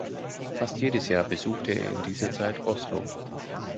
Fast jedes Jahr besuchte er in dieser Zeit Oslo.